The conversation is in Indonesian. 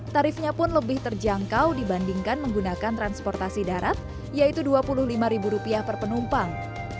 tarifnya pun lebih terjangkau dibandingkan menggunakan transportasi darat yaitu rp dua puluh lima per penumpang